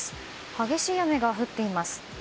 激しい雨が降っています。